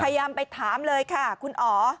พยายามไปถามเลยค่ะคุณอ๋อ